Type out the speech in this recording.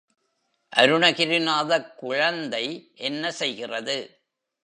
அருணகிரிநாதக் குழந்தை என்ன செய்கிறது?